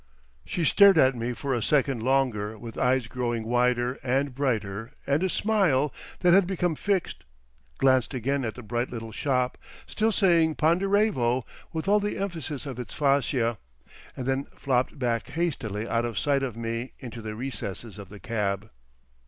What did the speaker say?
She stared at me for a second longer with eyes growing wider and brighter and a smile that had become fixed, glanced again at the bright little shop still saying "Ponderevo" with all the emphasis of its fascia, and then flopped back hastily out of sight of me into the recesses of the cab.